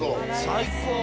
最高。